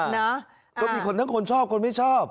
นะก็มีคนทั้งคนชอบคนไม่ชอบ